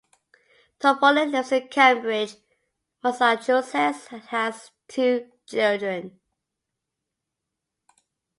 Toffoli lives in Cambridge, Massachusetts, and has two children.